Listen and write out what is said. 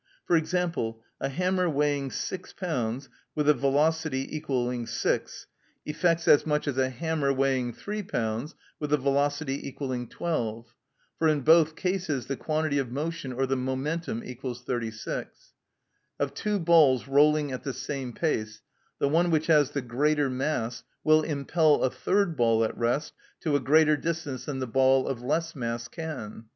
For example, a hammer weighing six pounds with a velocity = 6 effects as much as a hammer weighing three pounds with a velocity = 12, for in both cases the quantity of motion or the momentum = 36. Of two balls rolling at the same pace, the one which has the greater mass will impel a third ball at rest to a greater distance than the ball of less mass can.